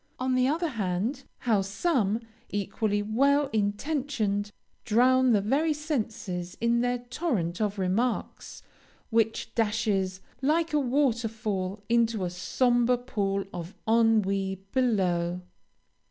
On the other hand, how some, equally well intentioned, drown the very senses in their torrent of remarks, which dashes, like a water fall, into a sombre pool of ennui below!